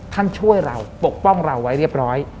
ช่วยเราปกป้องเราไว้เรียบร้อย